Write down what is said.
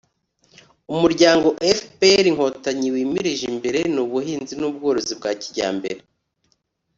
umuryango fpr – inkotanyi wimirije imbere ni ubuhinzi n'ubworozi bwa kijyambere